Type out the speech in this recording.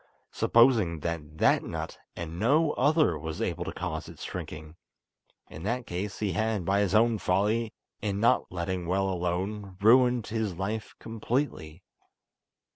Supposing that that nut and no other was able to cause its shrinking! In that case he had, by his own folly, in not letting well alone, ruined his life completely.